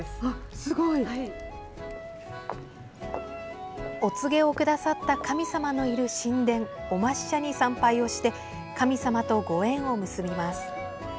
すごい！お告げをくださった神様のいる神殿お末社に参拝をして神様とご縁を結びます。